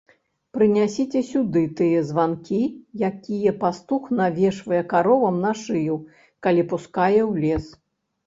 Прынясіце сюды тыя званкі, якія пастух навешвае каровам на шыю, калі пускае ў лес.